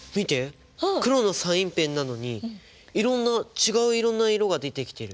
黒のサインペンなのにいろんな違ういろんな色が出てきてる。